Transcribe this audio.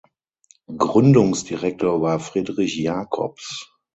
Gründungsdirektor war Friedrich Jacobs.